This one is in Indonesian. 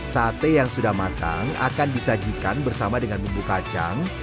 sate yang sudah matang akan disajikan bersama dengan bumbu kacang